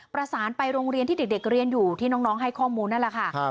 ประสานไปโรงเรียนที่เด็กเรียนอยู่ที่น้องให้ข้อมูลนั่นแหละค่ะ